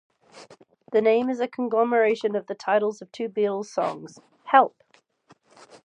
The name is a conglomeration of the titles of two Beatles songs, Help!